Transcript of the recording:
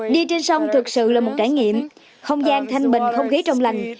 đi trên sông thực sự là một trải nghiệm không gian thanh bình không khí trong lành